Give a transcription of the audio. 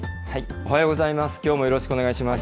おはようございます。